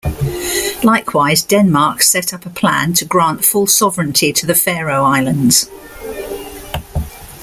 Likewise, Denmark set up a plan to grant full sovereignty to the Faroe Islands.